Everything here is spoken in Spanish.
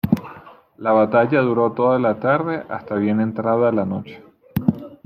La batalla duró toda la tarde hasta bien entrada la noche.